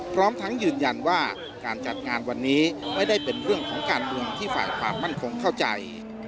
พร้อมทั้งยืนยันว่าการจัดงานวันนี้ไม่ได้เป็นเรื่องของการเมืองที่ฝ่ายความมั่นคงเข้าใจ